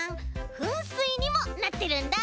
ふんすいにもなってるんだ！